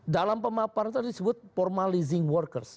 dalam pemaparan tersebut formalizing workers